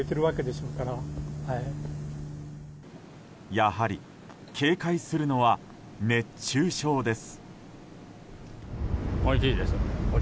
やはり警戒するのは熱中症です。